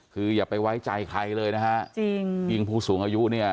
คืออย่าไปไว้ใจใครเลยนะฮะจริงยิ่งผู้สูงอายุเนี่ย